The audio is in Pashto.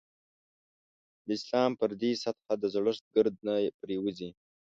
د اسلام پر دې سطح د زړښت ګرد نه پرېوځي.